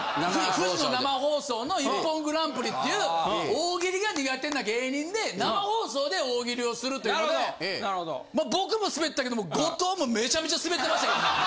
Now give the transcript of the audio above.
フジの生放送の『ＩＰＰＯＮグランプリ』っていう大喜利が苦手な芸人で。をするっていうのでまあ僕もスベったけど後藤もめちゃめちゃスベってましたけどね。